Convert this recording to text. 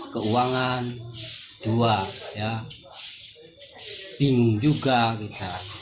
keuangan jual bingung juga